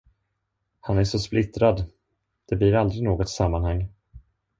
Han är så splittrad, det blir aldrig något sammanhang.